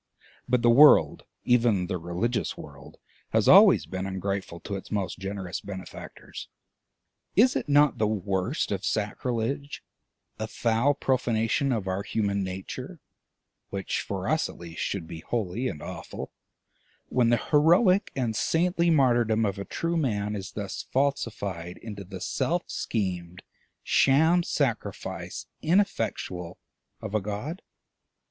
But the world, even the religious world, has always been ungrateful to its most generous benefactors. Is it not the worst of sacrilege, a foul profanation of our human nature, which for us, at least, should be holy and awful, when the heroic and saintly martyrdom of a true Man is thus falsified into the self schemed sham sacrifice, ineffectual, of a God?